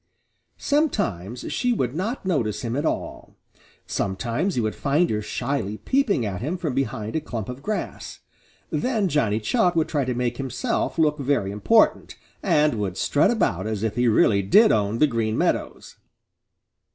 Sometimes she would not notice him at all. Sometimes he would find her shyly peeping at him from behind a clump of grass. Then Johnny Chuck would try to make himself look very important, and would strut about as if he really did own the Green Meadows.